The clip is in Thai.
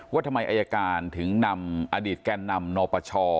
ว่าทำไมอายการถึงนำอดีตแก่นำนปช